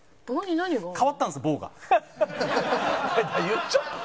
言っちゃった。